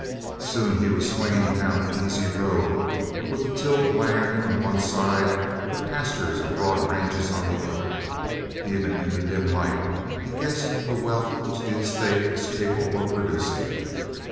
Soon he was swinging down an easy road with the tilled lands on one side, the pastures and broad ranges on the other, and even in the dim light he guessed the wealth which the estate was capable of producing.